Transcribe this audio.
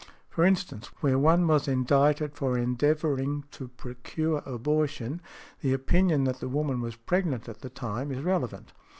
For instance, where one was indicted for endeavouring to procure abortion, the opinion that the woman was pregnant at the time is relevant .